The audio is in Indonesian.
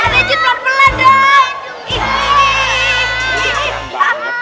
pak dejin pelan pelan dong